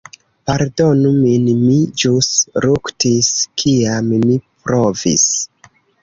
Pardonu min, mi ĵus ruktis kiam mi provis.